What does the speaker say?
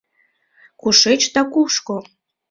Кушеч да кушко?